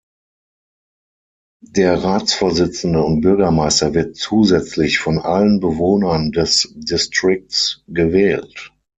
Der Ratsvorsitzende und Bürgermeister wird zusätzlich von allen Bewohnern des Districts gewählt.